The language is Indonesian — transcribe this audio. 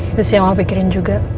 itu sih yang mau pikirin juga